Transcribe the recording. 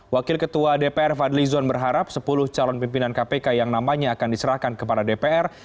wakil ketua dpr fadli zon berharap sepuluh calon pimpinan kpk yang namanya akan diserahkan kepada dpr